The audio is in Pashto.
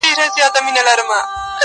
ستا په زلفو کي اثیر را سره خاندي,